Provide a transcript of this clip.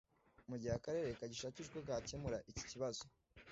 Mu gihe akarere kagishakisha uko kakemura iki kibazo